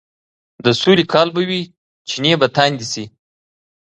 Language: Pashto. د سولې کال به وي، چينې به تاندې شي،